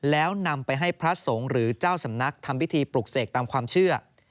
แล้วนำไปให้พระสงฆ์หรือเจ้าสำนักทำพิธีปลุกเสกตามความเชื่อ